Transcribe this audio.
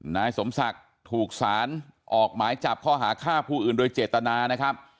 นายสมศักดิ์ถูกสารออกหมายจับข้อหาฆ่าผู้อื่นโดยเจตนานะครับ